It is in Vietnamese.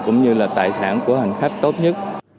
cũng như là tài sản của hành khách tốt nhất